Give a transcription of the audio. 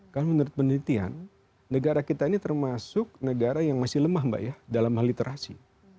karena menurut penelitian negara kita ini termasuk negara yang masih lemah mbak ya dalam hal literasi